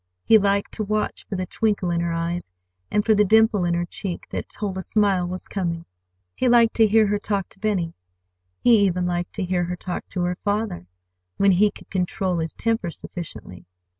He liked to watch for the twinkle in her eye, and for the dimple in her cheek that told a smile was coming. He liked to hear her talk to Benny. He even liked to hear her talk to her father—when he could control his temper sufficiently.